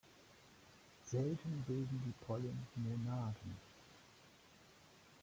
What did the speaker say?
Selten bilden die Pollen Monaden.